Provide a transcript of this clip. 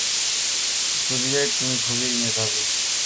Juliet, তুমি খুবই মেধাবী।